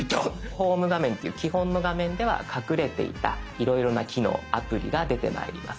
ホーム画面っていう基本の画面では隠れていたいろいろな機能アプリが出てまいります。